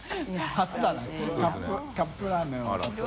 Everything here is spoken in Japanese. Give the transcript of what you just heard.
初だなカップラーメン渡す。